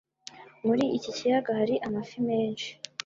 Muri iki kiyaga hari amafi menshi.